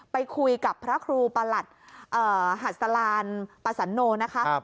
ไปคุยกับพระครูประหลัดหัสลานประสันโนนะคะ